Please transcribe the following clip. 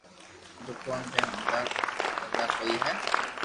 دوڪون تو دھندا ڪوئي ني